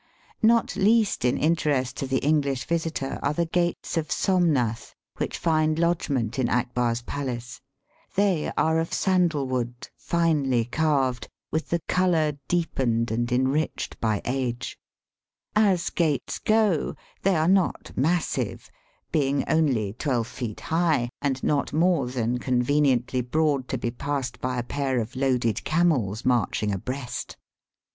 Not least in interest to the English visitor are the Gates of Somnath, which find lodg ment in Akbar's palace. They are of sandal wood, finely carved, with the colour deepened and enriched by age. As gates go, they are not massive, being only twelve feet high and not more than conveniently broad to be passed Digitized by VjOOQIC 278 EAST BY WEST. by a pair of loaded camels marching abreast.